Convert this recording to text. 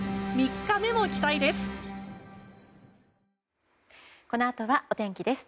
３日目も期待です。